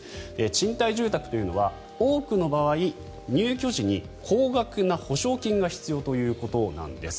賃貸住宅というのは多くの場合、入居時に高額な保証金が必要ということなんです。